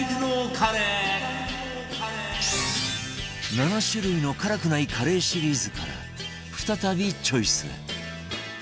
７種類の辛くないカレーシリーズから再びチョイス